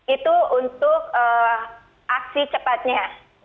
itu untuk aksi cepatnya